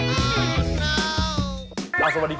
สวัสดีคุณผู้ชมก่อนสวัสดีค่ะ